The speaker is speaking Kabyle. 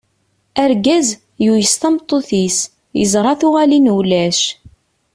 Argaz, yuyes tameṭṭut-is, yeẓra tuɣalin ulac.